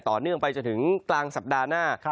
ต่อเนื่องไปจนถึงกลางสัปดาห์หน้า